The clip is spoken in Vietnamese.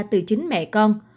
từ chính mẹ con